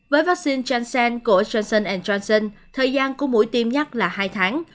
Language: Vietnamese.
với vaccine janssen của johnson johnson thời gian của mũi tiêm nhắc là hai tháng